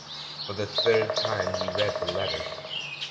For the third time he read the letter.